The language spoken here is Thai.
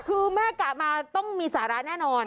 คือแม่กะมาต้องมีสาระแน่นอน